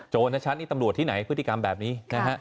จนน่ะฉันนี่ตำรวจที่ไหนพฤติกรรมแบบนี้